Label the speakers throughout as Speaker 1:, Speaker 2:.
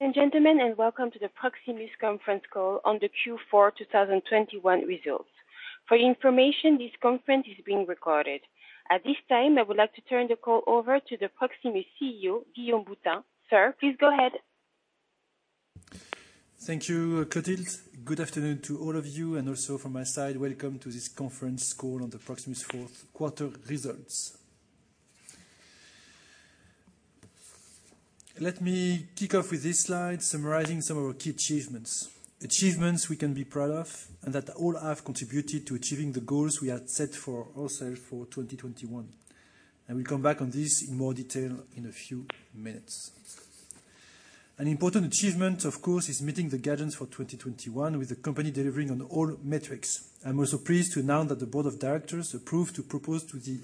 Speaker 1: and gentlemen, welcome to the Proximus Conference Call on the Q4 2021 results. For your information, this conference is being recorded. At this time, I would like to turn the call over to the Proximus CEO, Guillaume Boutin. Sir, please go ahead.
Speaker 2: Thank you, Clotilde. Good afternoon to all of you, and also from my side, welcome to this conference call on the Proximus fourth quarter results. Let me kick off with this slide summarizing some of our key achievements. Achievements we can be proud of, and that all have contributed to achieving the goals we had set for ourselves for 2021. I will come back on this in more detail in a few minutes. An important achievement, of course, is meeting the guidance for 2021, with the company delivering on all metrics. I'm also pleased to announce that the board of directors approved to propose to the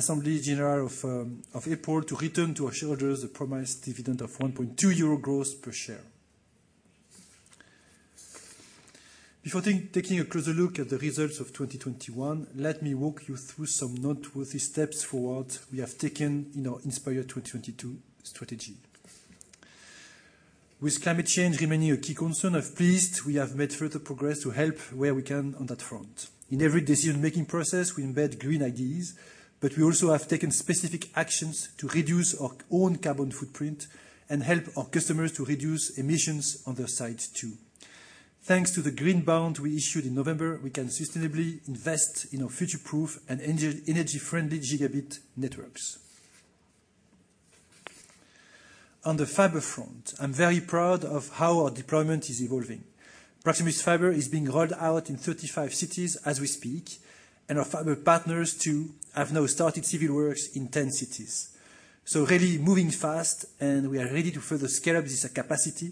Speaker 2: General Assembly of April to return to our shareholders the promised dividend of 1.2 euro gross per share. Before taking a closer look at the results of 2021, let me walk you through some noteworthy steps forward we have taken in our Inspire 2022 strategy. With climate change remaining a key concern, I'm pleased we have made further progress to help where we can on that front. In every decision-making process, we embed green ideas, but we also have taken specific actions to reduce our own carbon footprint and help our customers to reduce emissions on their sites too. Thanks to the Green Bond we issued in November, we can sustainably invest in our future-proof and energy-friendly gigabit networks. On the fiber front, I'm very proud of how our deployment is evolving. Proximus Fiber is being rolled out in 35 cities as we speak, and our fiber partners too have now started civil works in 10 cities. Really moving fast, and we are ready to further scale up this capacity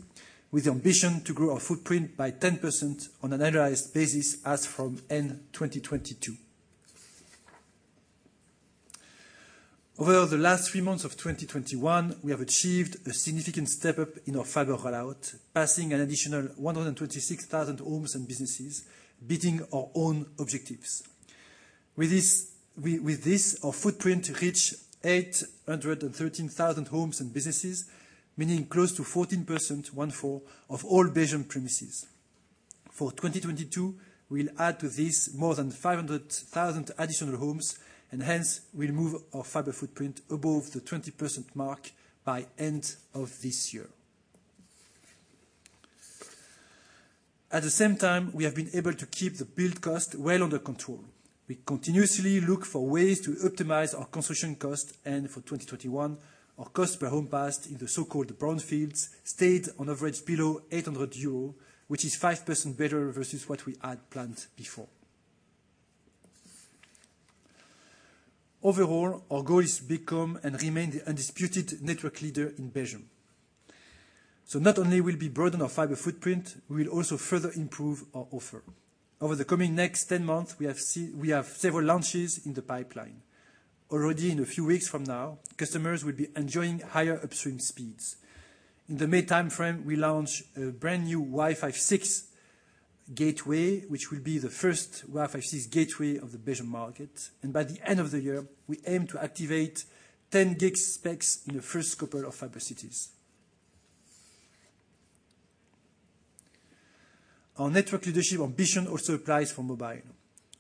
Speaker 2: with the ambition to grow our footprint by 10% on an annualized basis as from end 2022. Over the last three months of 2021, we have achieved a significant step-up in our fiber rollout, passing an additional 126,000 homes and businesses, beating our own objectives. With this, our footprint reached 813,000 homes and businesses, meaning close to 14%, 1/4, of all Belgium premises. For 2022, we'll add to this more than 500,000 additional homes, and hence we'll move our fiber footprint above the 20% mark by end of this year. At the same time, we have been able to keep the build cost well under control. We continuously look for ways to optimize our construction cost, and for 2021, our cost per home passed in the so-called brownfields stayed on average below 800 euro, which is 5% better versus what we had planned before. Overall, our goal is to become and remain the undisputed network leader in Belgium. Not only we'll be broadening our fiber footprint, we'll also further improve our offer. Over the coming next 10 months, we have several launches in the pipeline. Already in a few weeks from now, customers will be enjoying higher upstream speeds. In the May timeframe, we launch a brand-new Wi-Fi 6 gateway, which will be the first Wi-Fi 6 gateway of the Belgian market. By the end of the year, we aim to activate 10 gig specs in the first couple of fiber cities. Our network leadership ambition also applies for mobile.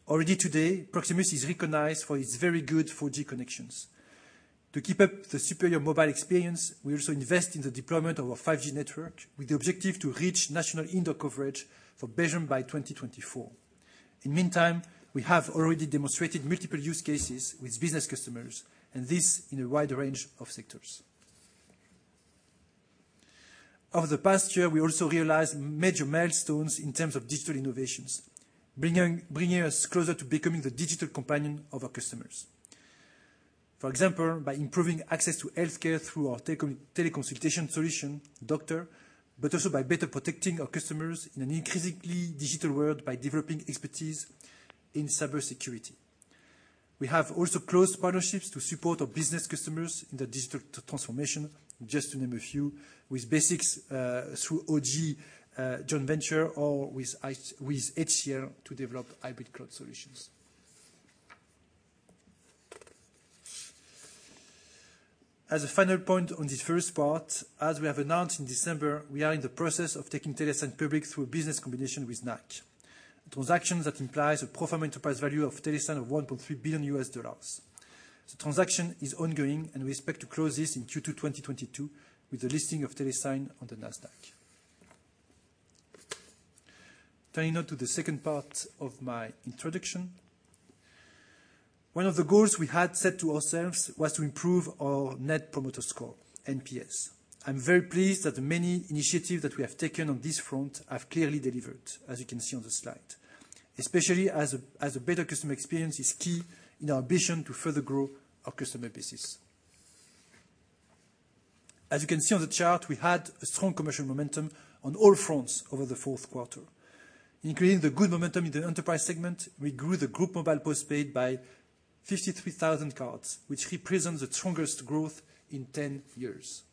Speaker 2: Already today, Proximus is recognized for its very good 4G connections. To keep up the superior mobile experience, we also invest in the deployment of our 5G network with the objective to reach national indoor coverage for Belgium by 2024. In meantime, we have already demonstrated multiple use cases with business customers, and this in a wide range of sectors. Over the past year, we also realized major milestones in terms of digital innovations, bringing us closer to becoming the digital companion of our customers. For example, by improving access to healthcare through our teleconsultation solution, Doktr, but also by better protecting our customers in an increasingly digital world by developing expertise in cybersecurity. We have also close partnerships to support our business customers in their digital transformation, just to name a few, with BICS through aug-e joint-venture or with HCLTech to develop hybrid cloud solutions. As a final point on this first part, as we have announced in December, we are in the process of taking TeleSign public through a business combination with NAAC. A transaction that implies a pro forma enterprise value of TeleSign of $1.3 billion. The transaction is ongoing, and we expect to close this in Q2 2022 with the listing of TeleSign on the Nasdaq. Turning now to the second part of my introduction. One of the goals we had set to ourselves was to improve our net promoter score, NPS. I'm very pleased that the many initiatives that we have taken on this front have clearly delivered, as you can see on the slide, especially as a better customer experience is key in our ambition to further grow our customer base. As you can see on the chart, we had a strong commercial momentum on all fronts over the fourth quarter. Including the good momentum in the enterprise segment, we grew the group mobile postpaid by 53,000 cards, which represents the strongest growth in 10 years.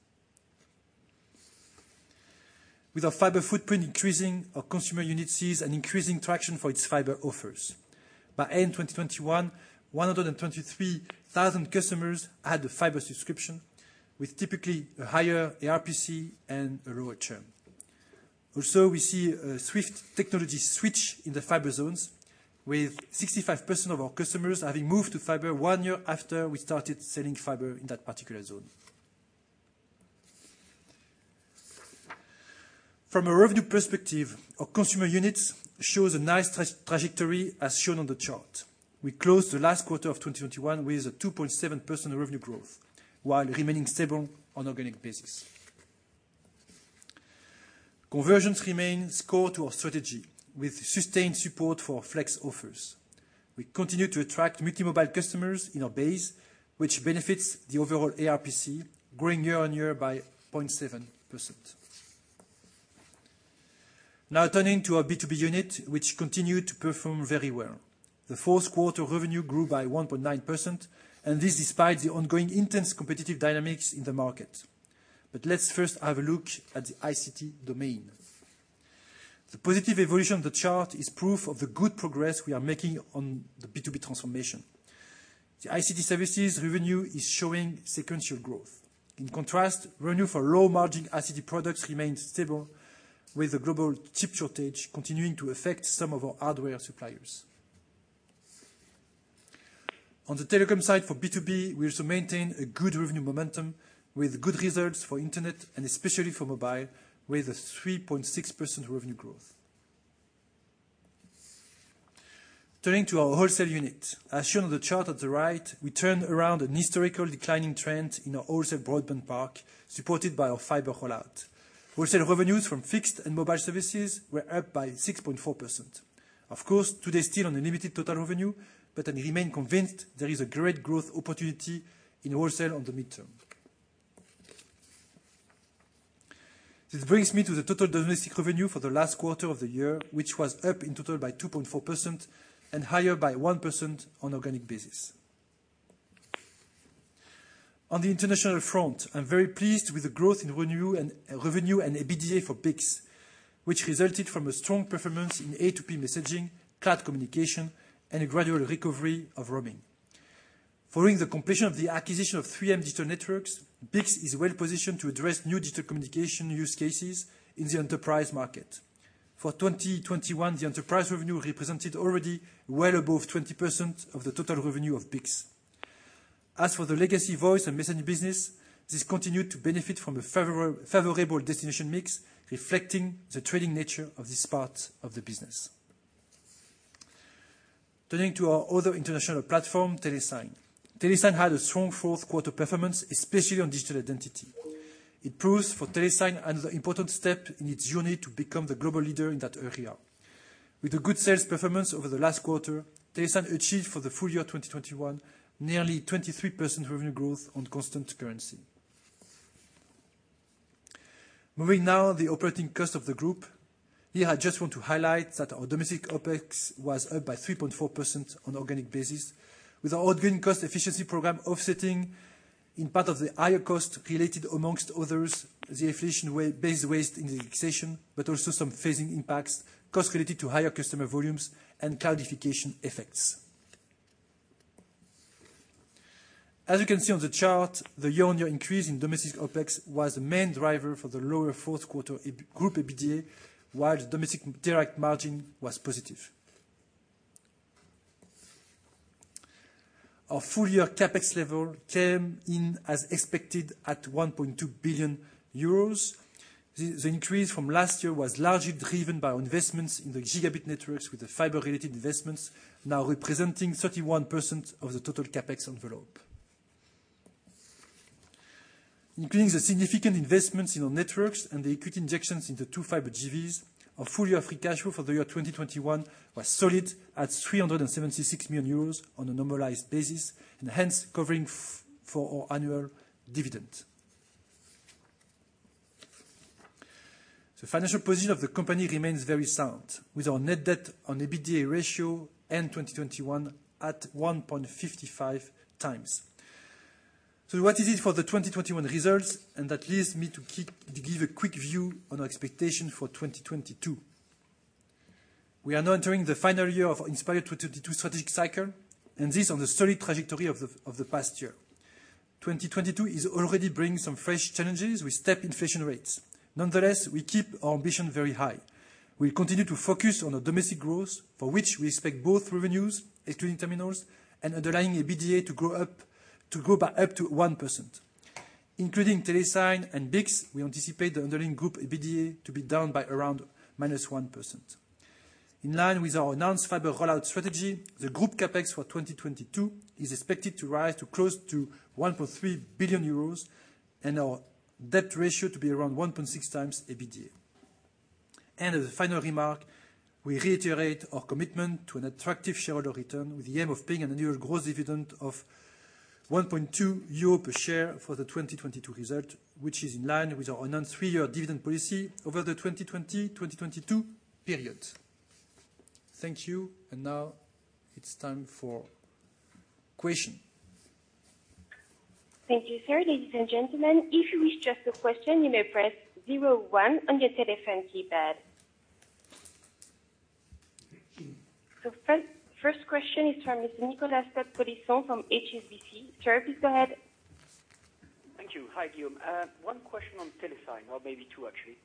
Speaker 2: With our fiber footprint increasing, our consumer unit sees an increasing traction for its fiber offers. By end 2021, 123,000 customers had the fiber subscription, with typically a higher ARPC and a lower churn. We see a swift technology switch in the fiber zones, with 65% of our customers having moved to fiber one year after we started selling fiber in that particular zone. From a revenue perspective, our consumer unit shows a nice trajectory as shown on the chart. We closed the last quarter of 2021 with a 2.7% revenue growth while remaining stable on organic basis. Conversions remain core to our strategy with sustained support for our Flex offers. We continue to attract multi-mobile customers in our base, which benefits the overall ARPC, growing year-on-year by 0.7%. Now turning to our B2B unit, which continued to perform very well. The fourth quarter revenue grew by 1.9%, and this despite the ongoing intense competitive dynamics in the market. Let's first have a look at the ICT domain. The positive evolution of the chart is proof of the good progress we are making on the B2B transformation. The ICT services revenue is showing sequential growth. In contrast, revenue for low-margin ICT products remains stable, with the global chip shortage continuing to affect some of our hardware suppliers. On the telecom side for B2B, we also maintain a good revenue momentum with good results for internet and especially for mobile, with a 3.6% revenue growth. Turning to our wholesale unit. As shown on the chart at the right, we turned around an historical declining trend in our wholesale broadband park, supported by our fiber rollout. Wholesale revenues from fixed and mobile services were up by 6.4%. Of course, today still on a limited total revenue, but I remain convinced there is a great growth opportunity in wholesale on the midterm. This brings me to the total domestic revenue for the last quarter of the year, which was up in total by 2.4% and higher by 1% on organic basis. On the international front, I'm very pleased with the growth in revenue and EBITDA for BICS, which resulted from a strong performance in A2P messaging, cloud communication, and a gradual recovery of roaming. Following the completion of the acquisition of 3m Digital Networks, BICS is well positioned to address new digital communication use cases in the enterprise market. For 2021, the enterprise revenue represented already well above 20% of the total revenue of BICS. As for the legacy voice and messaging business, this continued to benefit from a favorable destination mix, reflecting the trading nature of this part of the business. Turning to our other international platform, TeleSign. TeleSign had a strong fourth quarter performance, especially on digital identity. It proves for TeleSign another important step in its journey to become the global leader in that area. With a good sales performance over the last quarter, TeleSign achieved for the full year 2021 nearly 23% revenue growth on constant currency. Moving now to the operating cost of the group. Here, I just want to highlight that our domestic OpEx was up by 3.4% on organic basis. With our ongoing cost efficiency program offsetting in part the higher cost related, among others, the inflation, wage indexation, but also some phasing impacts, cost related to higher customer volumes and cloudification effects. As you can see on the chart, the year-on-year increase in domestic OpEx was the main driver for the lower fourth quarter group EBITDA, while the domestic direct margin was positive. Our full-year CapEx level came in as expected at 1.2 billion euros. The increase from last year was largely driven by our investments in the gigabit networks with the fiber-related investments now representing 31% of the total CapEx envelope. Including the significant investments in our networks and the equity injections into two fiber JVs, our full-year free cash flow for the year 2021 was solid at 376 million euros on a normalized basis, and hence covering for our annual dividend. The financial position of the company remains very sound, with our net debt-on-EBITDA ratio end 2021 at 1.55x. That is it for the 2021 results, and that leads me to give a quick view on our expectation for 2022. We are now entering the final year of our Inspire 2022 strategic cycle, and this on the solid trajectory of the past year. 2022 is already bringing some fresh challenges with steeper inflation rates. Nonetheless, we keep our ambition very high. We continue to focus on our domestic growth, for which we expect both revenues, excluding terminals, and underlying EBITDA to go up by up to 1%. Including TeleSign and BICS, we anticipate the underlying group EBITDA to be down by around -1%. In line with our announced fiber rollout strategy, the group CapEx for 2022 is expected to rise to close to 1.3 billion euros and our debt ratio to be around 1.6x EBITDA. As a final remark, we reiterate our commitment to an attractive shareholder return with the aim of paying an annual growth dividend of 1.2 euro per share for the 2022 result, which is in line with our announced three-year dividend policy over the 2020-2022 period. Thank you. Now it's time for questions.
Speaker 1: Thank you, sir. Ladies and gentlemen, if you wish to ask a question, you may press zero one on your telephone keypad.
Speaker 2: Thank you.
Speaker 1: First question is from Mr. Nicolas Cote-Colisson from HSBC. Sir, please go ahead.
Speaker 3: Thank you. Hi, Guillaume. One question on TeleSign, or maybe two actually.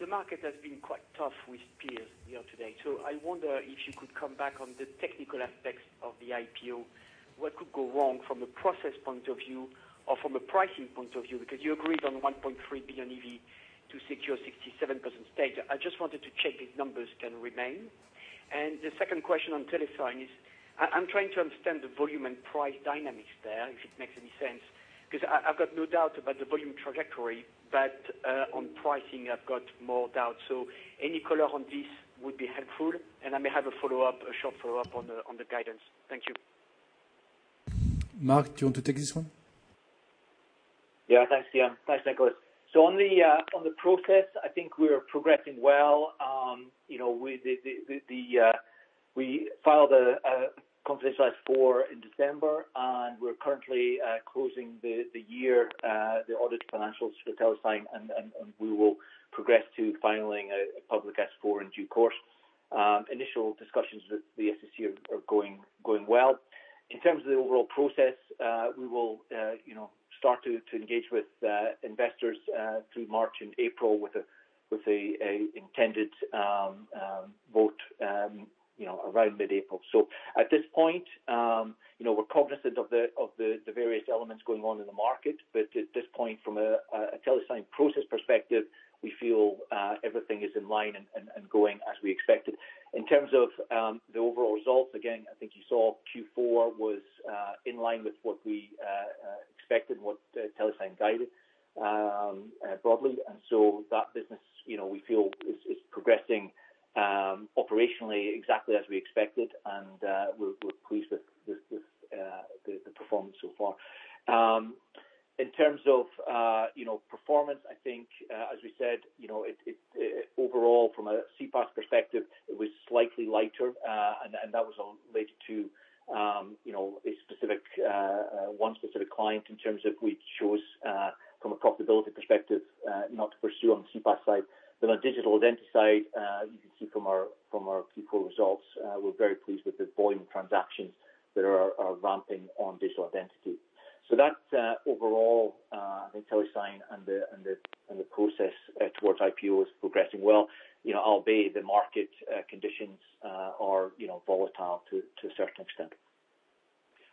Speaker 3: The market has been quite tough with peers here today, so I wonder if you could come back on the technical aspects of the IPO. What could go wrong from a process point of view or from a pricing point of view? Because you agreed on $1.3 billion EV to secure 67% stake. I just wanted to check if numbers can remain. The second question on TeleSign is I'm trying to understand the volume and price dynamics there, if it makes any sense, 'cause I've got no doubt about the volume trajectory, but on pricing I've got more doubt. So any color on this would be helpful. I may have a follow-up, a short follow-up on the guidance. Thank you.
Speaker 2: Mark, do you want to take this one?
Speaker 4: Thanks, Guillaume. Thanks, Nicolas. On the process, I think we are progressing well. You know, we filed a confidential S-4 in December, and we're currently closing the year audit financials for TeleSign, and we will progress to filing a public S-4 in due course. Initial discussions with the SEC are going well. In terms of the overall process, we will, you know, start to engage with investors through March and April with an intended vote, you know, around mid-April. At this point, you know, we're cognizant of the various elements going on in the market, but at this point, from a TeleSign process perspective, we feel everything is in line and going as we expected. In terms of the overall results, again, I think you saw Q4 was in line with what we expected and what TeleSign guided broadly. That business, you know, we feel is progressing operationally exactly as we expected and we're pleased with the performance so far. In terms of performance, I think, as we said, you know, it overall from a CPaaS perspective, it was slightly lighter. That was all related to a specific client in terms of we chose, from a profitability perspective, not to pursue on the CPaaS side. On digital identity side, you can see from our Q4 results, we're very pleased with the volume of transactions that are ramping on digital identity. That's overall, I think TeleSign and the process towards IPO is progressing well, you know, albeit the market conditions are, you know, volatile to a certain extent.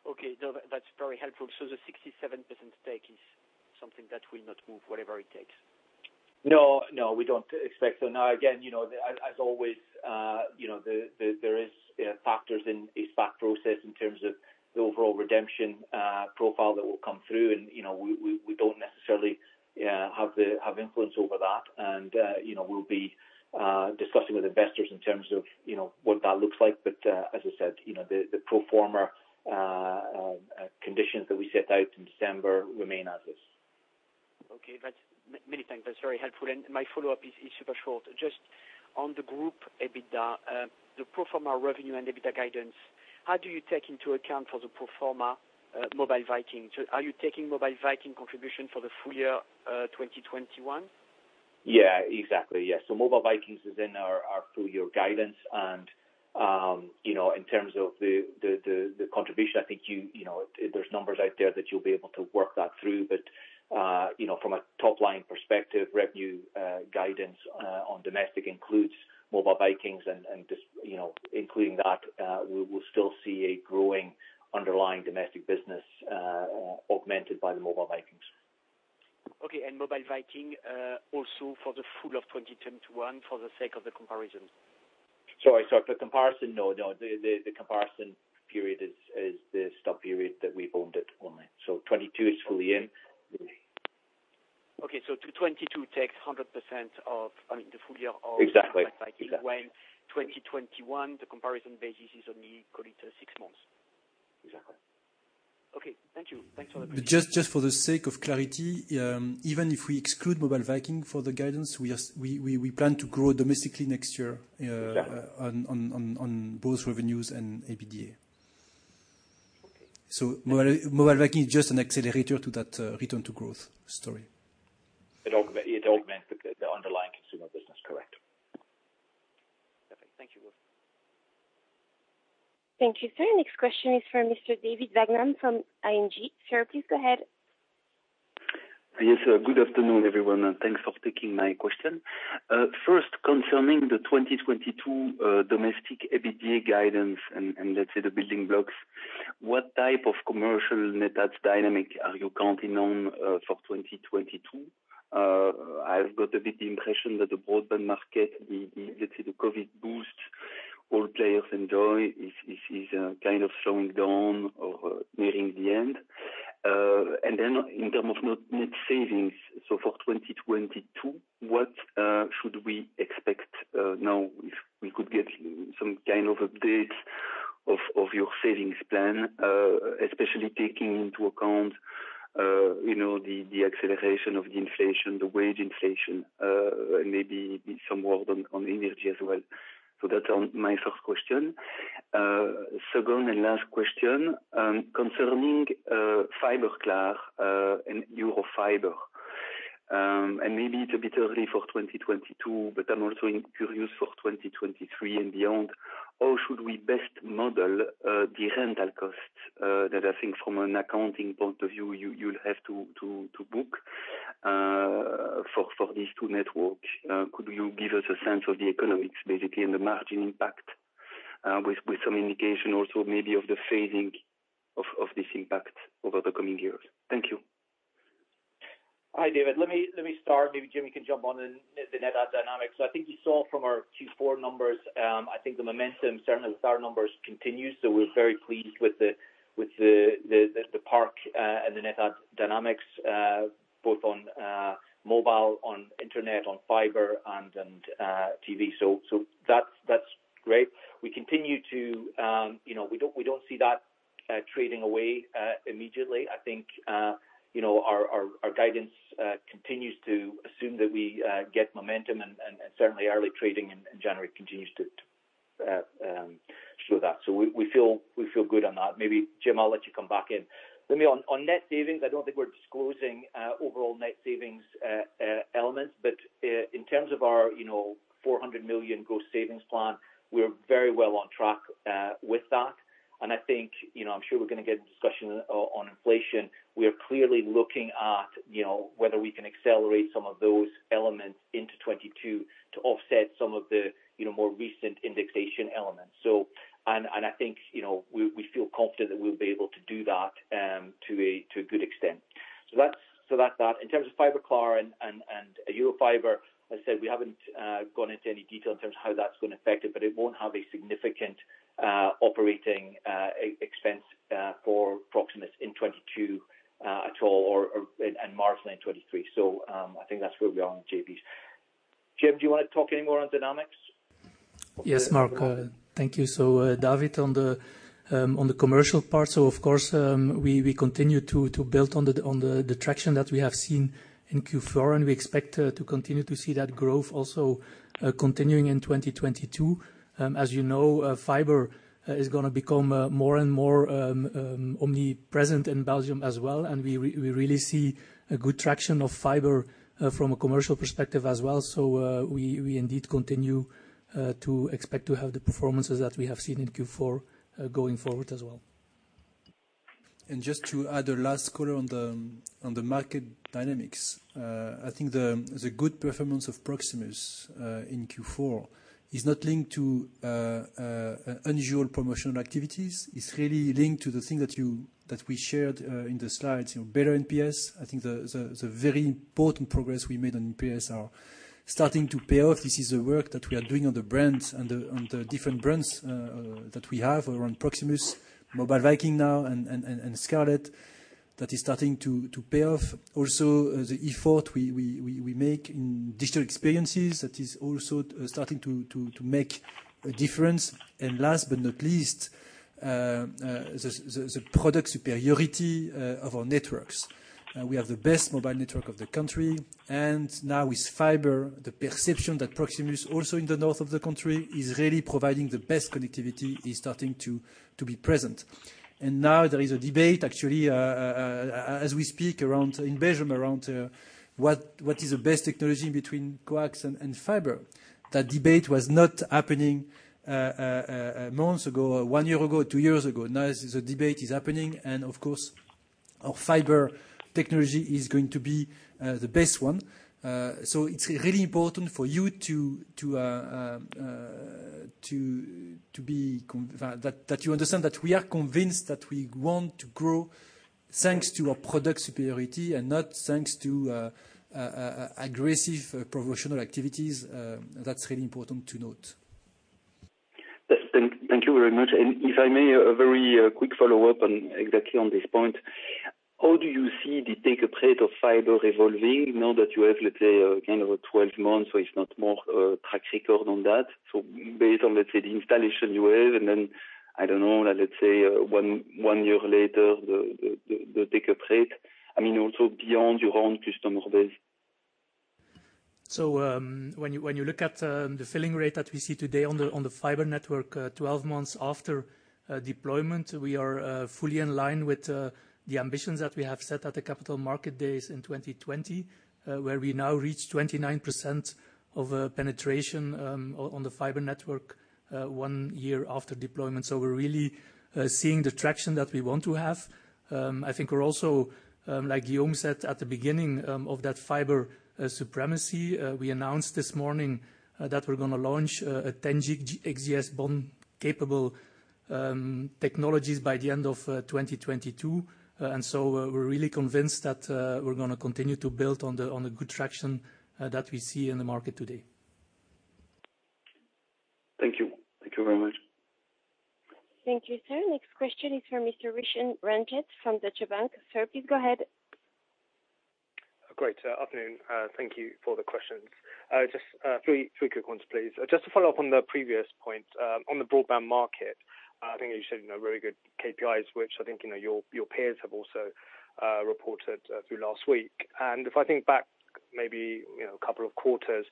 Speaker 3: Okay. No, that's very helpful. The 67% stake is something that will not move whatever it takes?
Speaker 4: No. No, we don't expect so. Now again, you know, as always, you know, there is factors in a SPAC process in terms of the overall redemption profile that will come through. You know, we don't necessarily have influence over that. You know, we'll be discussing with investors in terms of, you know, what that looks like. As I said, you know, pro forma conditions that we set out in December remain as is.
Speaker 3: Many thanks. That's very helpful. My follow-up is super short. Just on the group EBITDA, the pro forma revenue and EBITDA guidance, how do you take into account for the pro forma, Mobile Vikings? Are you taking Mobile Vikings contribution for the full year, 2021?
Speaker 4: Yeah, exactly. Yeah. Mobile Vikings is in our full year guidance. You know, in terms of the contribution, I think you know, there's numbers out there that you'll be able to work that through. You know, from a top-line perspective, revenue guidance on domestic includes Mobile Vikings and just, you know, including that, we will still see a growing underlying domestic business augmented by the Mobile Vikings.
Speaker 3: Okay. Mobile Vikings, also for the full year of 2021 for the sake of the comparison.
Speaker 4: Sorry. For comparison, no. The comparison period is the stub period that we've owned it only. 2022 is fully in.
Speaker 3: To 2022 takes 100% of, I mean, the full year of
Speaker 4: Exactly.
Speaker 3: Mobile Vikings.
Speaker 4: Exactly.
Speaker 3: When 2021 the comparison basis is only call it, six months.
Speaker 4: Exactly.
Speaker 3: Okay. Thank you.
Speaker 2: Just for the sake of clarity, even if we exclude Mobile Vikings for the guidance, we plan to grow domestically next year.
Speaker 4: Exactly.
Speaker 2: on both revenues and EBITDA.
Speaker 3: Okay.
Speaker 2: Mobile Vikings is just an accelerator to that return to growth story.
Speaker 4: It augments the underlying consumer business, correct?
Speaker 3: Perfect. Thank you both.
Speaker 1: Thank you, sir. Next question is from Mr. David Vagman from ING. Sir, please go ahead.
Speaker 5: Yes. Good afternoon, everyone, and thanks for taking my question. First concerning the 2022 domestic EBITDA guidance and let's say the building blocks, what type of commercial net adds dynamics are you counting on for 2022? I've got a bit of the impression that the broadband market, let's say the COVID boost all players enjoy is kind of slowing down or nearing the end. In terms of net savings, so for 2022, what should we expect now if we could get some kind of update of your savings plan, especially taking into account you know, the acceleration of the inflation, the wage inflation, maybe some more on energy as well. That's my first question. Second and last question, concerning Fiberklaar and Eurofiber. Maybe it's a bit early for 2022, but I'm also interested for 2023 and beyond. How should we best model the rental costs that I think from an accounting point of view, you'll have to book for these two networks? Could you give us a sense of the economics basically, and the margin impact, with some indication also maybe of the phasing of this impact over the coming years? Thank you.
Speaker 4: Hi, David. Let me start. Maybe Jim can jump on in the net add dynamics. I think you saw from our Q4 numbers. I think the momentum, certainly the start numbers continues. We're very pleased with the pack and the net add dynamics both on mobile, on internet, on fiber and TV. That's great. We continue to, you know, we don't see that trending away immediately. I think, you know, our guidance continues to assume that we get momentum and certainly early trends in January continues to show that. We feel good on that. Maybe Jim, I'll let you come back in. On net savings, I don't think we're disclosing overall net savings elements. In terms of our 400 million gross savings plan, we're very well on track with that. I think, you know, I'm sure we're gonna get into discussion on inflation. We are clearly looking at, you know, whether we can accelerate some of those elements into 2022 to offset some of the, you know, more recent indexation elements. I think, you know, we feel confident that we'll be able to do that to a good extent. That's that. In terms of Fiberklaar and Eurofiber, as I said, we haven't gone into any detail in terms of how that's gonna affect it, but it won't have a significant operating expense for Proximus in 2022 at all or and marginally in 2023. I think that's where we are on JVs. Jim, do you wanna talk any more on dynamics?
Speaker 6: Yes, Mark. Thank you. David, on the commercial part, of course, we continue to build on the traction that we have seen in Q4, and we expect to continue to see that growth also continuing in 2022. As you know, fiber is gonna become more and more omnipresent in Belgium as well. We really see a good traction of fiber from a commercial perspective as well. We indeed continue to expect to have the performances that we have seen in Q4 going forward as well.
Speaker 2: Just to add a last color on the market dynamics, I think the good performance of Proximus in Q4 is not linked to unusual promotional activities. It's really linked to the thing that we shared in the slides, you know, better NPS. I think the very important progress we made on NPS are starting to pay off. This is the work that we are doing on the brands and on the different brands that we have around Proximus, Mobile Vikings now and Scarlet that is starting to pay off. Also, the effort we make in digital experiences, that is also starting to make a difference. Last but not least, the product superiority of our networks. We have the best mobile network of the country. Now with fiber, the perception that Proximus also in the north of the country is really providing the best connectivity is starting to be present. Now there is a debate actually, as we speak around in Belgium around what is the best technology between coax and fiber. That debate was not happening months ago or one year ago, two years ago. Now the debate is happening. Of course, our fiber technology is going to be the best one. So it's really important for you to understand that we are convinced that we want to grow thanks to our product superiority and not thanks to aggressive promotional activities. That's really important to note.
Speaker 5: Yes. Thank you very much. If I may, a very quick follow-up on exactly on this point. How do you see the take-up rate of fiber evolving now that you have, let's say, kind of a 12 months, so it's not more track record on that? Based on, let's say, the installation you have, and then, I don't know, let's say, one year later, the take-up rate, I mean, also beyond your own customer base.
Speaker 6: When you look at the fill rate that we see today on the fiber network, 12 months after deployment, we are fully in line with the ambitions that we have set at the Capital Markets Day in 2020, where we now reach 29% penetration on the fiber network, one year after deployment. We're really seeing the traction that we want to have. I think we're also, like Guillaume said at the beginning, of that fiber supremacy we announced this morning, that we're gonna launch a 10 Gigs XGS-PON-capable technologies by the end of 2022. We're really convinced that we're gonna continue to build on the good traction that we see in the market today.
Speaker 5: Thank you. Thank you very much.
Speaker 1: Thank you, sir. Next question is from Mr. Roshan Ranjit from Deutsche Bank. Sir, please go ahead.
Speaker 7: Good afternoon. Thank you for the questions. Just three quick ones, please. Just to follow up on the previous point, on the broadband market, I think you said, you know, very good KPIs, which I think, you know, your peers have also reported through last week. If I think back maybe, you know, a couple of quarters,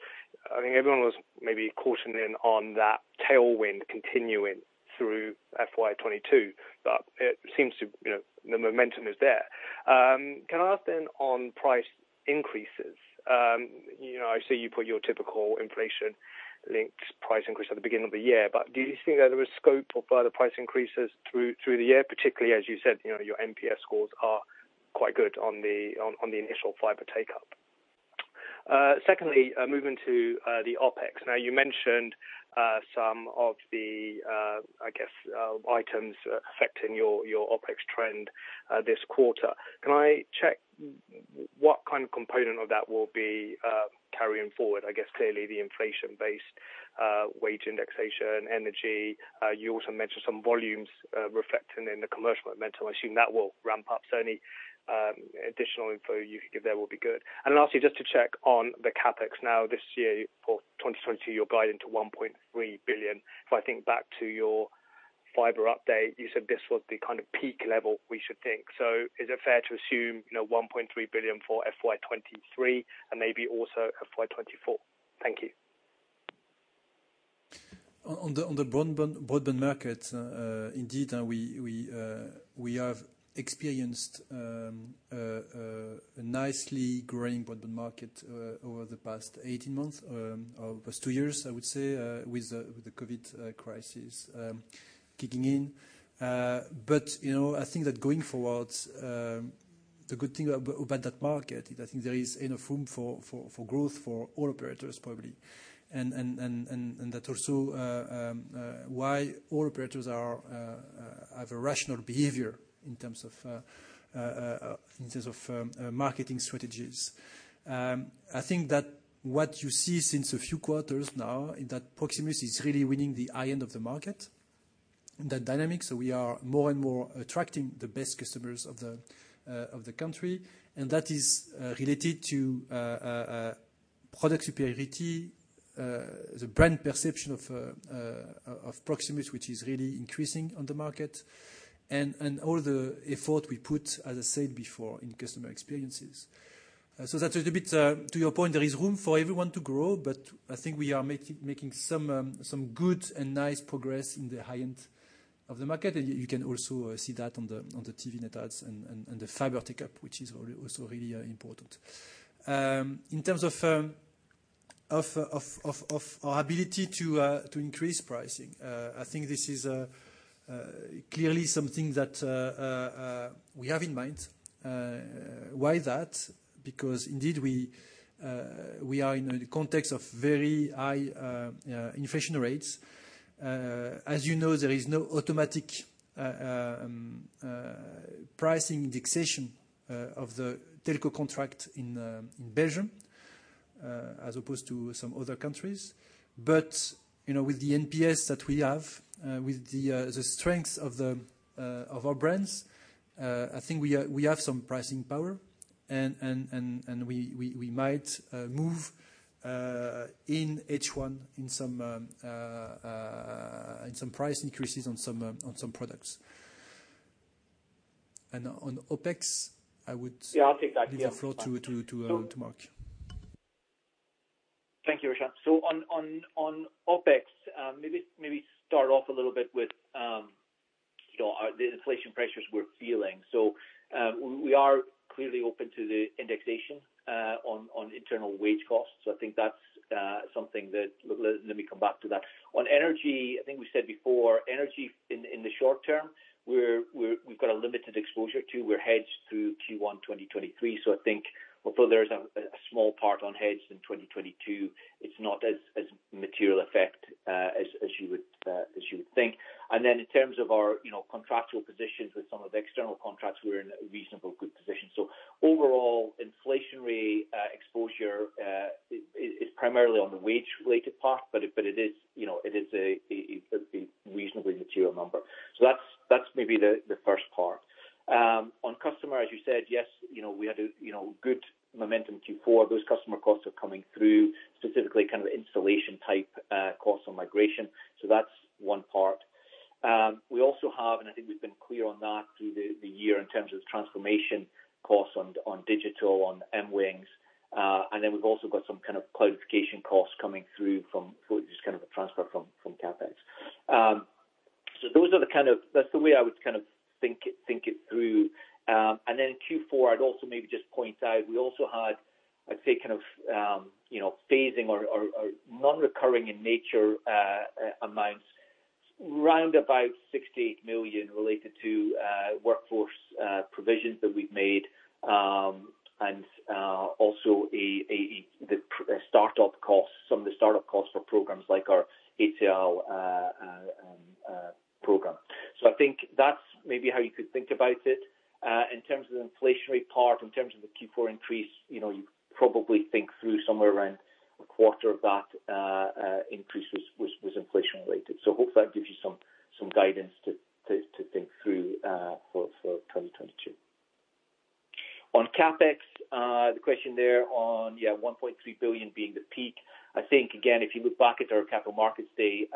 Speaker 7: I think everyone was maybe cautioning on that tailwind continuing through FY 2022, but it seems to, you know, the momentum is there. Can I ask then on price increases? You know, I see you put your typical inflation-linked price increase at the beginning of the year, but do you think that there is scope for further price increases through the year, particularly as you said, you know, your NPS scores are quite good on the initial fiber take-up. Secondly, moving to the OpEx. Now, you mentioned some of the items affecting your OpEx trend this quarter. Can I check what kind of component of that will be carrying forward? I guess clearly the inflation-based wage indexation, energy. You also mentioned some volumes reflecting in the commercial momentum. I assume that will ramp up. So any additional info you could give there will be good. Lastly, just to check on the CapEx. Now this year for 2022, you're guiding to 1.3 billion. If I think back to your fiber update, you said this was the kind of peak level we should think. Is it fair to assume, you know, 1.3 billion for FY 2023 and maybe also FY 2024? Thank you.
Speaker 2: In the broadband market, indeed, we have experienced nicely growing broadband market over the past 18 months or past two years, I would say, with the COVID crisis kicking in. You know, I think that going forward, the good thing about that market is I think there is enough room for growth for all operators, probably. That also why all operators have a rational behavior in terms of marketing strategies. I think that what you see since a few quarters now is that Proximus is really winning the high end of the market, that's the dynamic. We are more and more attracting the best customers of the country. That is related to product superiority, the brand perception of Proximus, which is really increasing on the market, and all the effort we put, as I said before, in customer experiences. That's a little bit to your point. There is room for everyone to grow, but I think we are making some good and nice progress in the high end of the market. You can also see that on the TV net adds and the fiber take-up, which is also really important. In terms of our ability to increase pricing, I think this is clearly something that we have in mind. Why that? Because indeed we are in a context of very high inflation rates. As you know, there is no automatic pricing indexation of the telco contract in Belgium, as opposed to some other countries. You know, with the NPS that we have, with the strength of our brands, I think we have some pricing power and we might move in H1 in some price increases on some products. On OpEx, I would give the floor to Mark.
Speaker 4: Yeah, I'll take that. Thank you, Richard. On OpEx, maybe start off a little bit with you know, the inflation pressures we're feeling. We are clearly open to the indexation on internal wage costs. I think that's something that let me come back to that. On energy, I think we said before, energy in the short-term, we've got a limited exposure to, we're hedged through Q1 2023. I think although there's a small part unhedged in 2022, it's not as material effect as you would think. In terms of our you know, contractual positions with some of the external contracts, we're in a reasonable good position. Overall inflationary exposure is primarily on the wage-related part, but it is, you know, it is a reasonably material number. That's maybe the first part. On customer, as you said, yes, you know, we had a good momentum in Q4. Those customer costs are coming through specifically kind of installation-type costs on migration. That's one part. We also have, and I think we've been clear on that through the year in terms of transformation costs on digital, on MWingz. And then we've also got some kind of cloudification costs coming through from just kind of a transfer from CapEx. That's the way I would kind of think it through. Q4, I'd also maybe just point out we also had, I'd say kind of, you know, phasing or non-recurring in nature, amounts round about 68 million related to workforce provisions that we've made, and also the startup costs for programs like our ATL program. I think that's maybe how you could think about it. In terms of the inflationary part, in terms of the Q4 increase, you know, you probably think through somewhere around a quarter of that increase was inflation related. Hopefully that gives you some guidance to think through for 2022. On CapEx, the question there on 1.3 billion being the peak. I think again, if you look back at our Capital Markets Day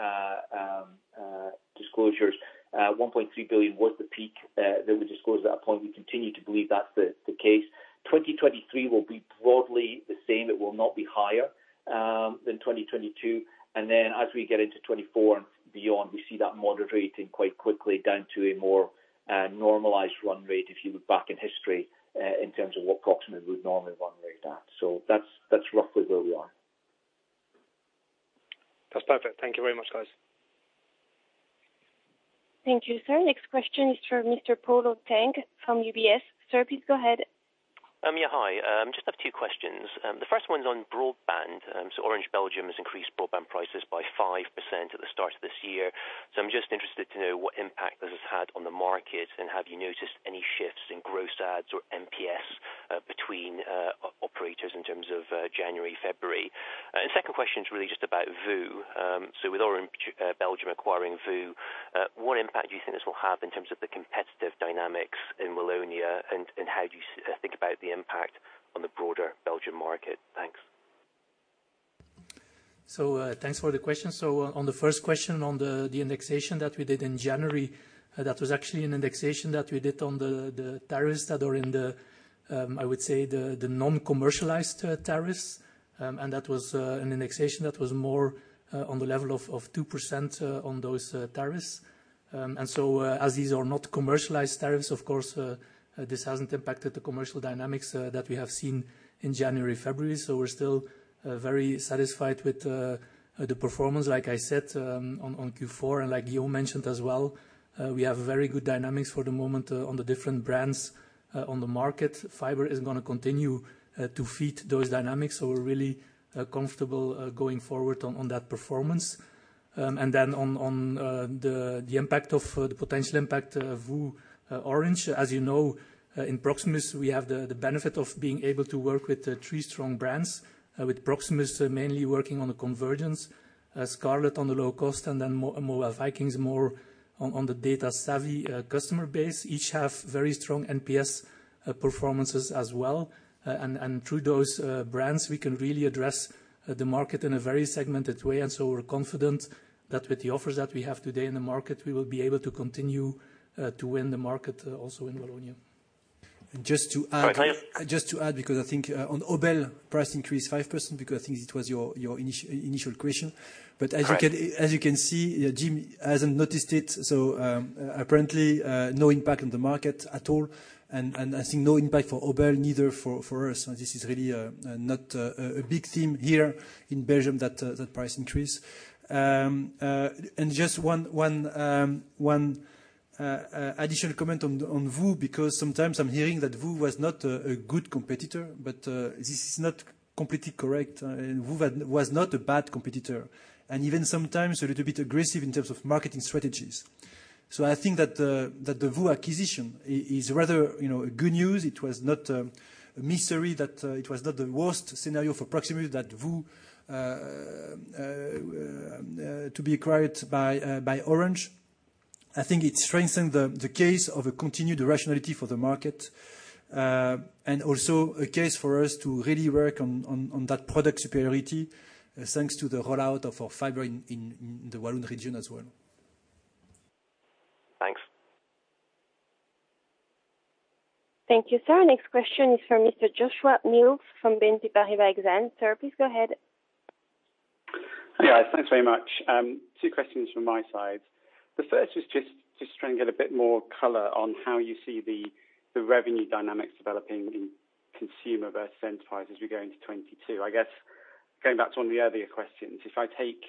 Speaker 4: disclosures, 1.3 billion was the peak that we disclosed at that point. We continue to believe that's the case. 2023 will be broadly the same. It will not be higher than 2022. As we get into 2024 and beyond, we see that moderating quite quickly down to a more normalized run rate, if you look back in history in terms of what Proximus would normally run rate at. That's roughly where we are.
Speaker 7: That's perfect. Thank you very much, guys.
Speaker 1: Thank you, sir. Next question is from Mr. Polo Tang from UBS. Sir, please go ahead.
Speaker 8: Yeah, hi. I just have two questions. The first one's on broadband. Orange Belgium has increased broadband prices by 5% at the start of this year. I'm just interested to know what impact this has had on the market, and have you noticed any shifts in gross adds or NPS between operators in terms of January, February. The second question is really just about VOO. With Orange Belgium acquiring VOO, what impact do you think this will have in terms of the competitive dynamics in Wallonia, and how do you think about the impact on the broader Belgium market? Thanks.
Speaker 6: Thanks for the question. On the first question, on the indexation that we did in January, that was actually an indexation that we did on the tariffs that are in the, I would say, the non-commercialized tariffs. And that was an indexation that was more on the level of 2% on those tariffs. As these are not commercialized tariffs, of course, this hasn't impacted the commercial dynamics that we have seen in January, February. We're still very satisfied with the performance. Like I said, on Q4, and like Guillaume mentioned as well, we have very good dynamics for the moment, on the different brands, on the market. Fiber is gonna continue to feed those dynamics, so we're really comfortable going forward on that performance. On the impact of the potential impact of VOO Orange. As you know, in Proximus, we have the benefit of being able to work with three strong brands. With Proximus mainly working on the convergence, Scarlet on the low cost, and then Mobile Vikings more on the data savvy customer base. Each have very strong NPS performances as well. Through those brands, we can really address the market in a very segmented way. We're confident that with the offers that we have today in the market, we will be able to continue to win the market also in Wallonia.
Speaker 2: Just to add.
Speaker 8: Sorry can you-
Speaker 2: Just to add, because I think on OBEL price increased 5%, because I think it was your initial question.
Speaker 8: All right.
Speaker 2: As you can see, Jim hasn't noticed it, so apparently no impact on the market at all. I think no impact for OBEL, neither for us. This is really not a big theme here in Belgium, that price increase. Just one additional comment on VOO, because sometimes I'm hearing that VOO was not a good competitor, but this is not completely correct. VOO was not a bad competitor, and even sometimes a little bit aggressive in terms of marketing strategies. I think that the VOO acquisition is rather, you know, a good news. It was not a mystery that it was not the worst scenario for Proximus that VOO to be acquired by Orange. I think it strengthened the case of a continued rationality for the market. Also a case for us to really work on that product superiority, thanks to the rollout of our fiber in the Walloon region as well.
Speaker 8: Thanks.
Speaker 1: Thank you, sir. Next question is from Mr. Joshua Mills from BNP Paribas Exane. Sir, please go ahead.
Speaker 9: Hi, guys. Thanks very much. Two questions from my side. The first is just trying to get a bit more color on how you see the revenue dynamics developing in consumer versus enterprise as we go into 2022. I guess going back to one of the earlier questions, if I take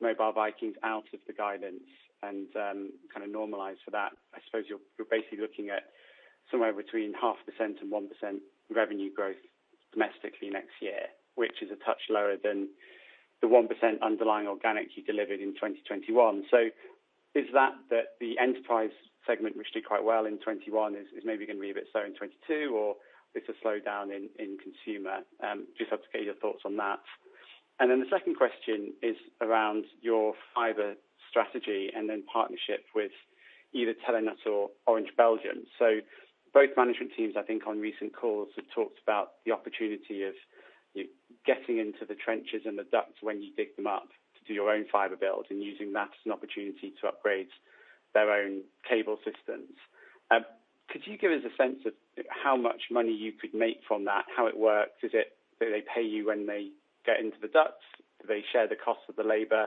Speaker 9: Mobile Vikings out of the guidance and kind of normalize for that, I suppose you're basically looking at somewhere between 0.5% and 1% revenue growth domestically next year, which is a touch lower than the 1% underlying organic you delivered in 2021. Is that the enterprise segment which did quite well in 2021 is maybe gonna be a bit slow in 2022, or it's a slowdown in consumer? Just love to get your thoughts on that. The second question is around your fiber strategy and then partnership with either Telenet or Orange Belgium. Both management teams I think on recent calls have talked about the opportunity of getting into the trenches and the ducts when you dig them up to do your own fiber build and using that as an opportunity to upgrade their own cable systems. Could you give us a sense of how much money you could make from that? How it works? Is it do they pay you when they get into the ducts? Do they share the cost of the labor?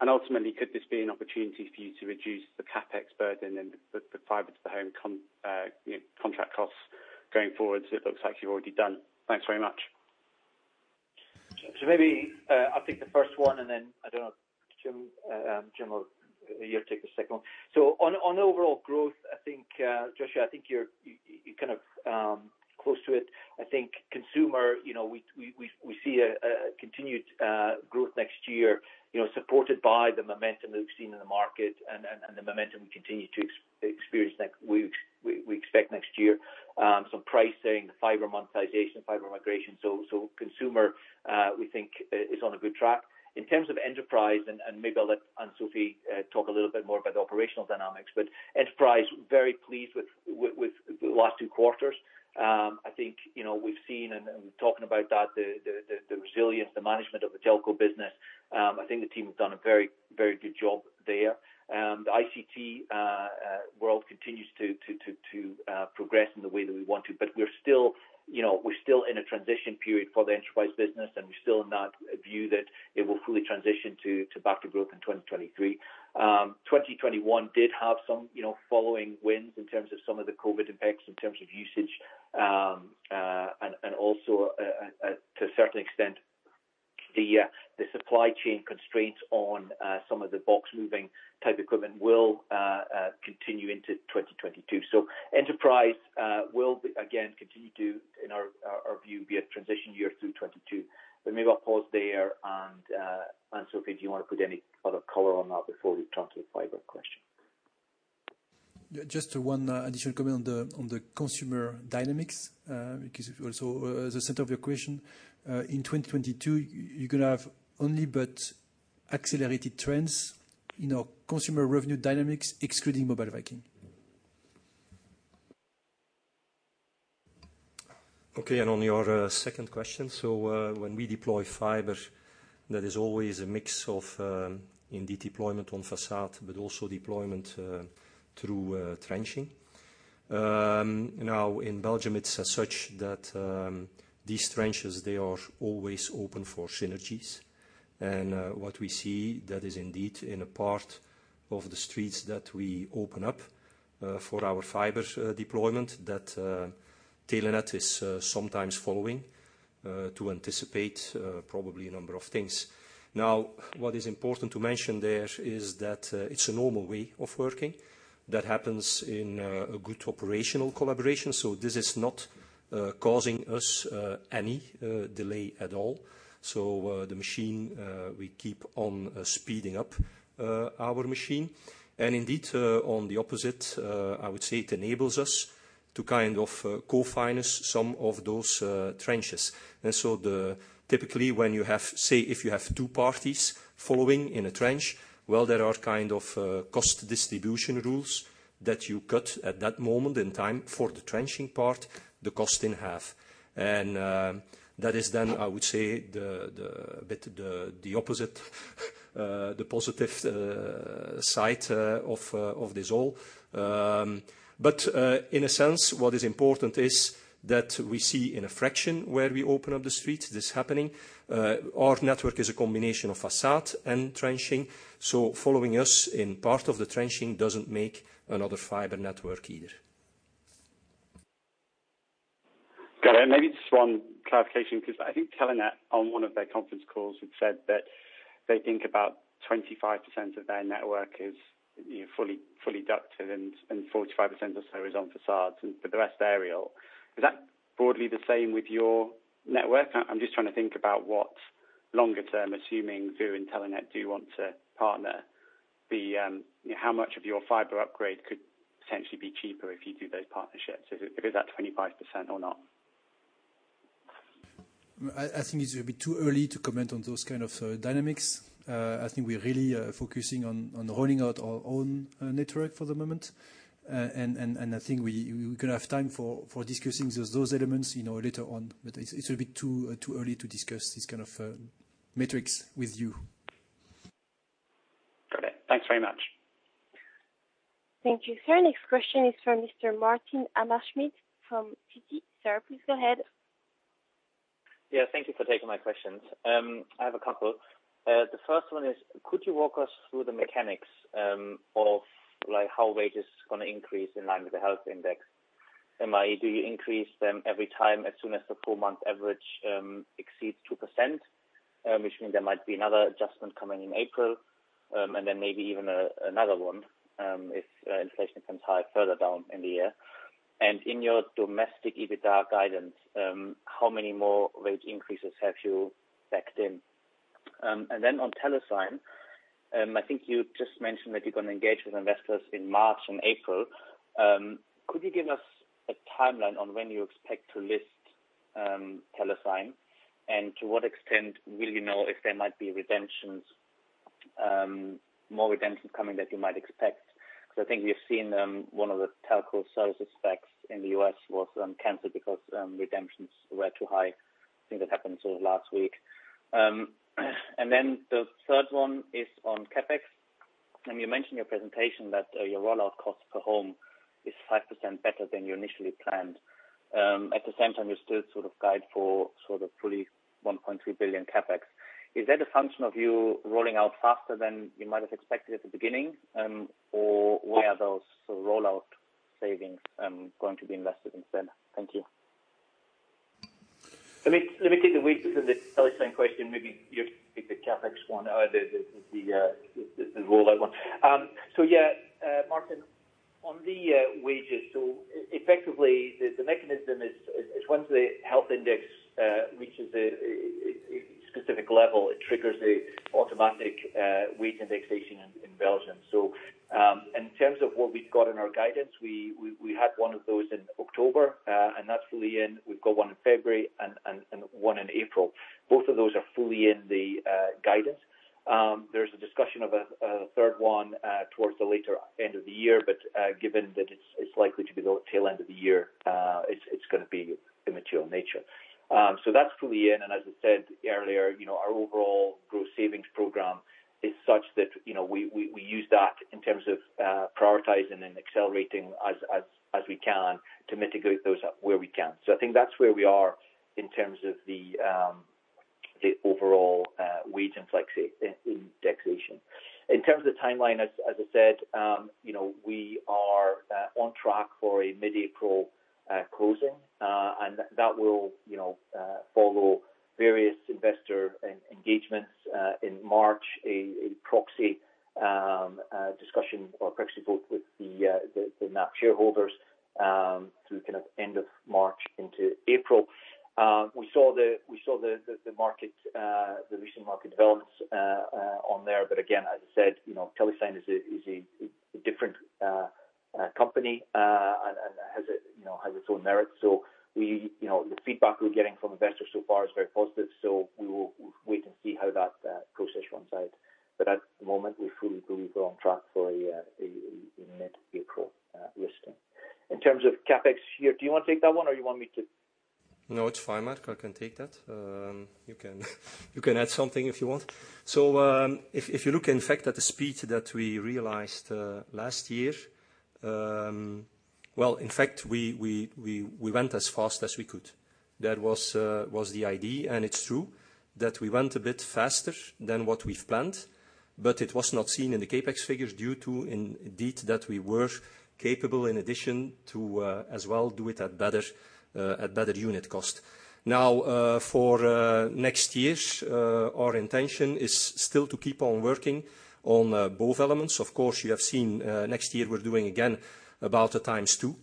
Speaker 9: And ultimately, could this be an opportunity for you to reduce the CapEx burden and the fiber to the home contract, you know, costs going forward as it looks like you've already done? Thanks very much.
Speaker 2: Maybe I'll take the first one, and then I don't know, Jim, you'll take the second one. On overall growth, I think, Joshua, I think you're kind of close to it. I think consumer, you know, we see a continued
Speaker 4: Next year, supported by the momentum we've seen in the market and the momentum we continue to experience next year, we expect some pricing, fiber monetization, fiber migration. Consumer, we think, is on a good track. In terms of enterprise, maybe I'll let Anne-Sophie talk a little bit more about the operational dynamics, but enterprise very pleased with the last two quarters. I think we've seen and talking about that the resilience, the management of the telco business. I think the team have done a very good job there. The ICT world continues to progress in the way that we want to, but we're still, you know, we're still in a transition period for the enterprise business, and we're still in that view that it will fully transition back to growth in 2023. 2021 did have some, you know, following winds in terms of some of the COVID impacts in terms of usage. Also, to a certain extent, the supply chain constraints on some of the box moving type equipment will continue into 2022. Enterprise will continue to, in our view, be a transition year through 2022. Maybe I'll pause there and, Anne-Sophie, do you want to put any other color on that before we turn to the fiber question?
Speaker 2: Just one additional comment on the consumer dynamics, because it was also the center of your question. In 2022, you're gonna have only but accelerated trends in our consumer revenue dynamics, excluding Mobile Vikings.
Speaker 6: Okay. On your second question. When we deploy fiber, there is always a mix of indeed deployment on façade, but also deployment through trenching. Now in Belgium, it's as such that these trenches they are always open for synergies. What we see that is indeed in a part of the streets that we open up for our fiber deployment that Telenet is sometimes following to anticipate probably a number of things. Now, what is important to mention there is that it's a normal way of working that happens in a good operational collaboration. This is not causing us any delay at all. The machine we keep on speeding up our machine. Indeed, on the opposite, I would say it enables us to kind of co-finance some of those trenches. Typically, when you have, say if you have two parties following in a trench, well, there are kind of cost distribution rules that you cut at that moment in time for the trenching part, the cost in half. That is then I would say the bit, the opposite, the positive side of this all. In a sense, what is important is that we see in a fraction where we open up the street, this happening. Our network is a combination of façade and trenching, so following us in part of the trenching doesn't make another fiber network either.
Speaker 9: Got it. Maybe just one clarification, 'cause I think Telenet on one of their conference calls had said that they think about 25% of their network is, you know, fully ducted and 45% or so is on façades, and for the rest aerial. Is that broadly the same with your network? I'm just trying to think about what longer-term, assuming VOO and Telenet do want to partner, the how much of your fiber upgrade could potentially be cheaper if you do those partnerships. Is that 25% or not?
Speaker 2: I think it's a bit too early to comment on those kind of dynamics. I think we're really focusing on rolling out our own network for the moment. I think we're gonna have time for discussing those elements, you know, later on. It's a bit too early to discuss this kind of metrics with you.
Speaker 9: Got it. Thanks very much.
Speaker 1: Thank you, sir. Next question is from Mr. Martin Hammerschmidt from Citi. Sir, please go ahead.
Speaker 10: Yeah, thank you for taking my questions. I have a couple. The first one is could you walk us through the mechanics of like how wage is gonna increase in line with the health index? I.e., do you increase them every time as soon as the four-month average exceeds 2%, which means there might be another adjustment coming in April, and then maybe even another one if inflation comes high further down in the year. In your domestic EBITDA guidance, how many more wage increases have you backed in? On TeleSign, I think you just mentioned that you're gonna engage with investors in March and April. Could you give us a timeline on when you expect to list TeleSign? To what extent will you know if there might be redemptions, more redemptions coming that you might expect? Because I think we've seen, one of the telco services SPACs in the U.S. was, canceled because, redemptions were too high. I think that happened sort of last week. The third one is on CapEx. You mentioned in your presentation that, your rollout cost per home is 5% better than you initially planned. At the same time, you still sort of guide for sort of fully 1.3 billion CapEx. Is that a function of you rolling out faster than you might have expected at the beginning? Or where are those rollout savings, going to be invested instead? Thank you.
Speaker 4: Let me take the wages and the TeleSign question. Maybe you take the CapEx one or the rollout one. Martin. On the wages. Effectively, the mechanism is once the health index reaches a specific level, it triggers an automatic wage indexation in Belgium. In terms of what we've got in our guidance, we had one of those in October, and that's fully in. We've got one in February and one in April. Both of those are fully in the guidance. There's a discussion of a third one towards the later end of the year, but given that it's likely to be the tail end of the year, it's gonna be immaterial in nature. That's fully in, and as I said earlier, you know, our overall growth savings program is such that, you know, we use that in terms of prioritizing and accelerating as we can to mitigate those where we can. I think that's where we are in terms of the overall wage indexation. In terms of timeline, as I said, you know, we are on track for a mid-April closing. And that will, you know, follow various investor engagements in March, a proxy discussion or proxy vote with the NAAC shareholders through the end of March into April. We saw the recent market developments on there. Again, as I said, you know, TeleSign is a different company and has its own merits. We, you know, the feedback we're getting from investors so far is very positive, so we will wait and see how that process runs out. At the moment, we fully believe we're on track for a mid-April listing. In terms of CapEx here, do you wanna take that one or you want me to?
Speaker 6: No, it's fine, Mark. I can take that. You can add something if you want. If you look in fact at the speed that we realized last year, well, in fact, we went as fast as we could. That was the idea, and it's true that we went a bit faster than what we've planned, but it was not seen in the CapEx figures due to indeed that we were capable, in addition to as well do it at better unit cost. Now, for next year, our intention is still to keep on working on both elements. Of course, you have seen, next year we're doing again about a times two.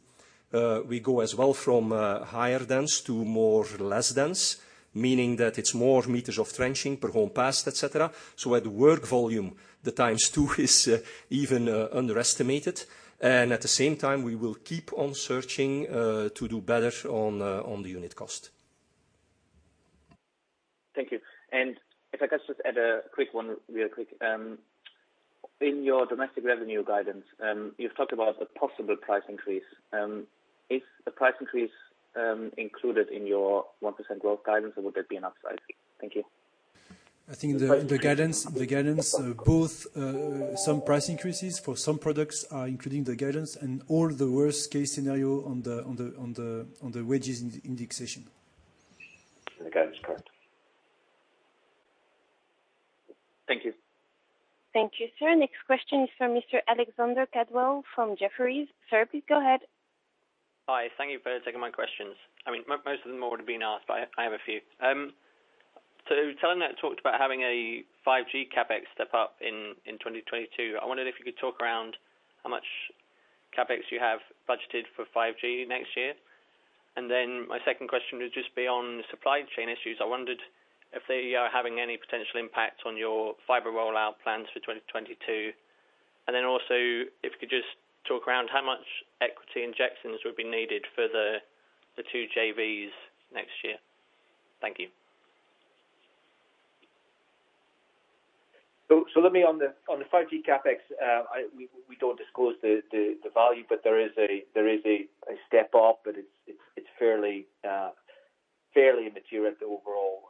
Speaker 6: We go as well from higher density to more or less density, meaning that it's more meters of trenching per home passed, et cetera. At work volume, the times two is even underestimated. At the same time, we will keep on searching to do better on the unit cost.
Speaker 10: Thank you. If I could just add a quick one real quick. In your domestic revenue guidance, you've talked about a possible price increase. Is the price increase included in your 1% growth guidance, or would there be an upside? Thank you.
Speaker 6: I think the guidance both some price increases for some products are including the guidance and all the worst case scenario on the wages indexation.
Speaker 4: The guidance, correct.
Speaker 10: Thank you.
Speaker 1: Thank you, sir. Next question is from Mr. Alexander Caldwell from Jefferies. Sir, please go ahead.
Speaker 11: Hi. Thank you for taking my questions. I mean, most of them all have been asked, but I have a few. Telenet talked about having a 5G CapEx step up in 2022. I wondered if you could talk around how much CapEx you have budgeted for 5G next year. My second question would just be on supply chain issues. I wondered if they are having any potential impact on your fiber rollout plans for 2022. If you could just talk around how much equity injections would be needed for the two JVs next year. Thank you.
Speaker 4: On the 5G CapEx, we don't disclose the value, but there is a step up, but it's fairly material at the overall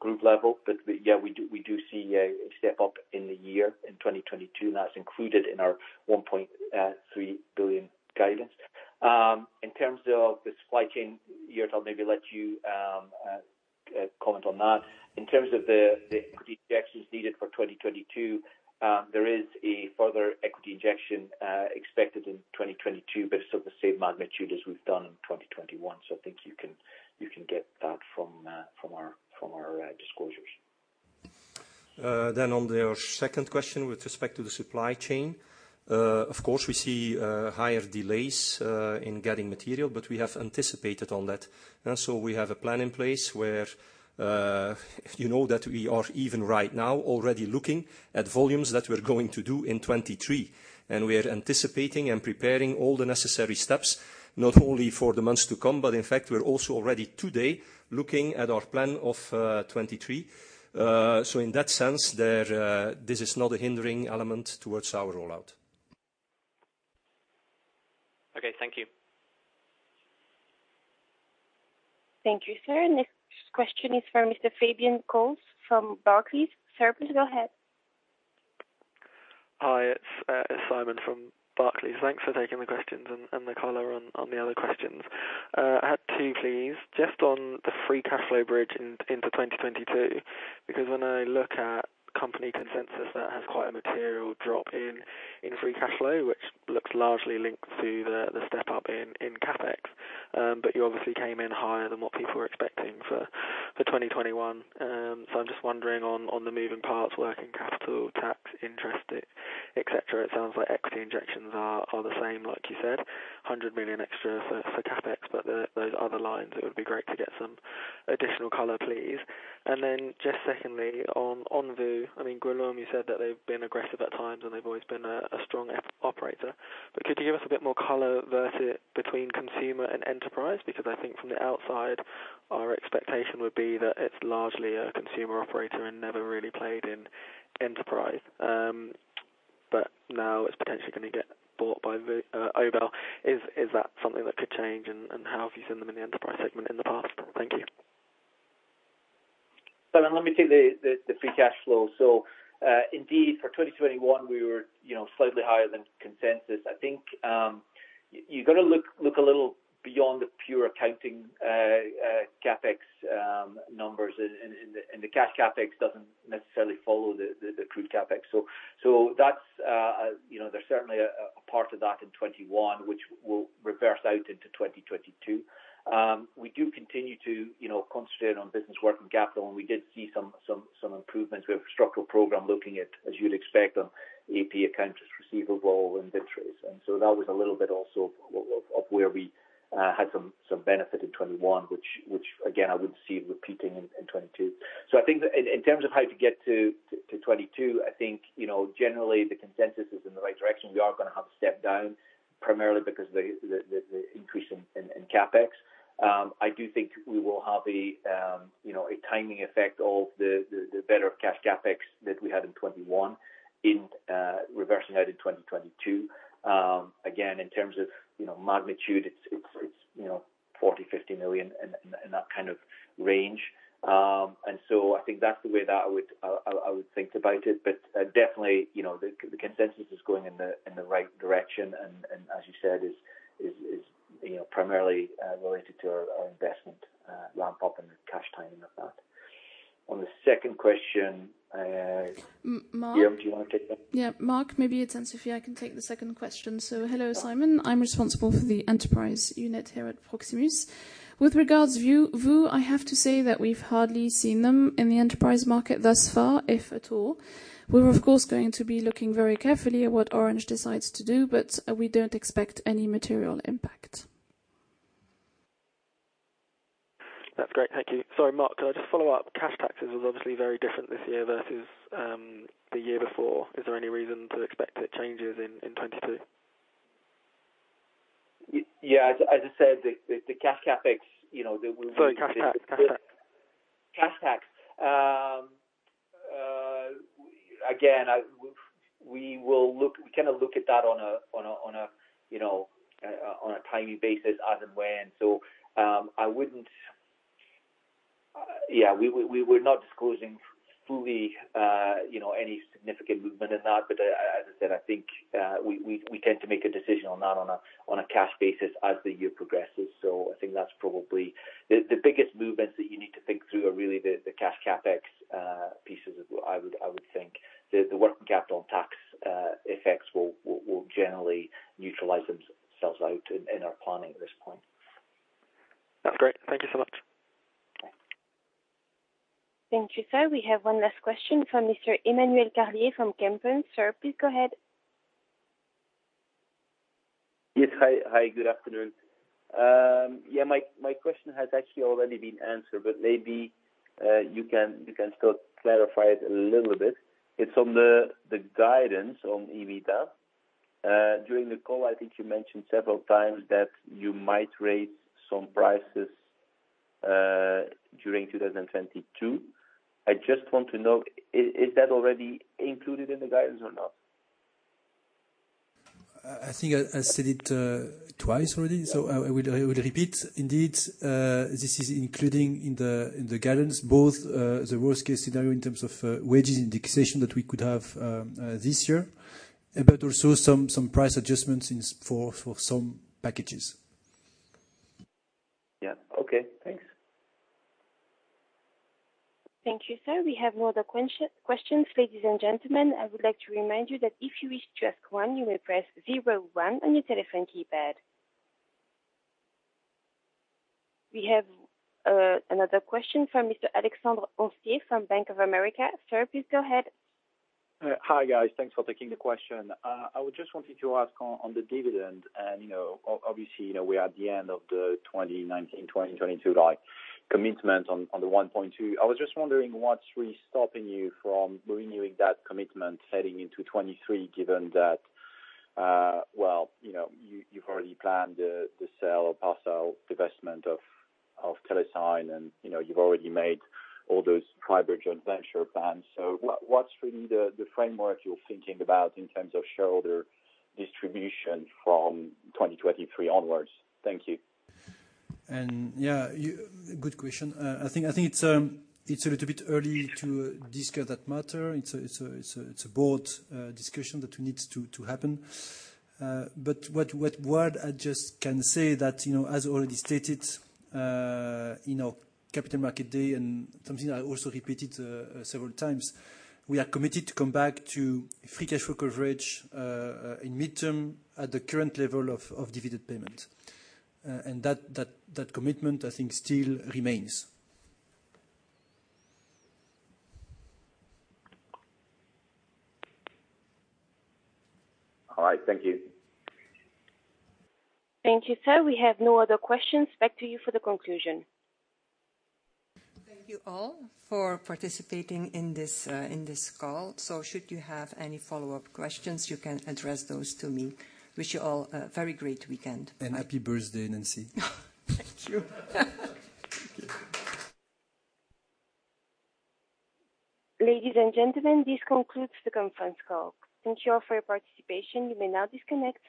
Speaker 4: group level. We do see a step up in 2022, and that's included in our 1.3 billion guidance. In terms of the supply chain, Geert, I'll maybe let you comment on that. In terms of the equity injections needed for 2022, there is a further equity injection expected in 2022, but it's of the same magnitude as we've done in 2021. I think you can get that from our disclosures.
Speaker 6: On your second question with respect to the supply chain, of course, we see higher delays in getting material, but we have anticipated on that. We have a plan in place where, you know, that we are even right now already looking at volumes that we're going to do in 2023. We are anticipating and preparing all the necessary steps, not only for the months to come, but in fact, we're also already today looking at our plan of 2023. In that sense, this is not a hindering element towards our rollout.
Speaker 11: Okay, thank you.
Speaker 1: Thank you, sir. Next question is from Mr. Simon Coles from Barclays. Sir, please go ahead.
Speaker 12: Hi, it's Simon from Barclays. Thanks for taking the questions and Nicola on the other questions. I had two, please. Just on the free cash flow bridge into 2022, because when I look at company consensus, that has quite a material drop in free cash flow, which looks largely linked to the step-up in CapEx. But you obviously came in higher than what people were expecting for 2021. So I'm just wondering on the moving parts, working capital, tax, interest, etc. It sounds like equity injections are the same, like you said, 100 million extra for CapEx. Those other lines, it would be great to get some additional color, please. Just secondly, on VOO. I mean, Guillaume, you said that they've been aggressive at times, and they've always been a strong fixed operator. Could you give us a bit more color on the difference between Consumer and Enterprise? Because I think from the outside, our expectation would be that it's largely a consumer operator and never really played in enterprise. Now it's potentially gonna get bought by Orange. Is that something that could change and how have you seen them in the Enterprise segment in the past? Thank you.
Speaker 4: Simon, let me take the free cash flow. Indeed, for 2021 we were, you know, slightly higher than consensus. I think, you gotta look a little beyond the pure accounting CapEx numbers. The cash CapEx doesn't necessarily follow the true CapEx. That's, you know, there's certainly a part of that in 2021, which will reverse out into 2022. We do continue to, you know, concentrate on business working capital, and we did see some improvements. We have a structural program looking at, as you'd expect, on AP accounts receivable inventories. That was a little bit also of where we had some benefit in 2021, which again, I would see repeating in 2022. I think that in terms of how to get to 2022, I think, you know, generally the consensus is in the right direction. We are gonna have to step down primarily because the increase in CapEx. I do think we will have a, you know, a timing effect of the better cash CapEx that we had in 2021 reversing out in 2022. Again, in terms of, you know, magnitude, it's, you know, 40-50 million in that kind of range. I think that's the way that I would think about it. definitely, you know, the consensus is going in the right direction and as you said is you know primarily related to our investment ramp up and the cash timing of that. On the second question,
Speaker 7: M-Mark.
Speaker 4: Guillaume, do you wanna take that?
Speaker 13: Yeah, Mark, maybe it's Anne-Sophie. I can take the second question. Hello, Simon. I'm responsible for the enterprise unit here at Proximus. With regards to VOO, I have to say that we've hardly seen them in the enterprise market thus far, if at all. We're of course, going to be looking very carefully at what Orange decides to do, but we don't expect any material impact.
Speaker 12: That's great. Thank you. Sorry, Mark, can I just follow up? Cash taxes was obviously very different this year versus the year before. Is there any reason to expect it changes in 2022?
Speaker 4: Yeah, as I said, the cash CapEx, you know, there will be.
Speaker 12: Sorry, cash tax.
Speaker 4: Cash tax. Again, we will look, we kinda look at that on a timely basis as and when. Yeah, we're not disclosing fully, you know, any significant movement in that. As I said, I think we tend to make a decision on that on a cash basis as the year progresses. I think that's probably the biggest movements that you need to think through are really the cash CapEx pieces, I would think. The working capital and tax effects will generally neutralize themselves out in our planning at this point.
Speaker 12: That's great. Thank you so much.
Speaker 4: Okay.
Speaker 1: Thank you, sir. We have one last question from Mr. Emmanuel Carlier from Kempen. Sir, please go ahead.
Speaker 14: Yes. Hi, good afternoon. Yeah, my question has actually already been answered, but maybe you can still clarify it a little bit. It's on the guidance on EBITDA. During the call, I think you mentioned several times that you might raise some prices during 2022. I just want to know, is that already included in the guidance or not?
Speaker 2: I think I said it twice already.
Speaker 7: Yeah.
Speaker 2: I will repeat. Indeed, this is including in the guidance both the worst case scenario in terms of wage indexation that we could have this year. Also some price adjustments for some packages.
Speaker 15: Yeah. Okay, thanks.
Speaker 1: Thank you, sir. We have no other questions. Ladies and gentlemen, I would like to remind you that if you wish to ask one, you may press zero one on your telephone keypad. We have another question from Mr. Alexandre Roncier from Bank of America. Sir, please go ahead.
Speaker 16: Hi, guys. Thanks for taking the question. I would just wanted to ask on the dividend and, you know, obviously, you know, we are at the end of the 2019-2022, like, commitment on 1.2. I was just wondering what's really stopping you from renewing that commitment heading into 2023, given that, well, you know, you've already planned the sale or partial divestment of TeleSign and, you know, you've already made all those fiber joint venture plans. What's really the framework you're thinking about in terms of shareholder distribution from 2023 onwards? Thank you.
Speaker 2: Yeah, good question. I think it's a little bit early to discuss that matter. It's a broad discussion that needs to happen. But what I can say is that, you know, as already stated in our Capital Markets Day and something I also repeated several times, we are committed to come back to free cash flow coverage in midterm at the current level of dividend payment. That commitment, I think, still remains.
Speaker 17: All right. Thank you.
Speaker 1: Thank you, sir. We have no other questions. Back to you for the conclusion.
Speaker 18: Thank you all for participating in this call. Should you have any follow-up questions, you can address those to me. I wish you all a very great weekend.
Speaker 2: Happy birthday, Nancy.
Speaker 18: Thank you. Thank you.
Speaker 1: Ladies and gentlemen, this concludes the conference call. Thank you all for your participation. You may now disconnect.